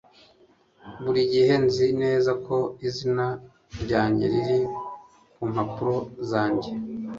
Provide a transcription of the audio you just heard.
Buri gihe nzi neza ko izina ryanjye riri ku mpapuro zanjye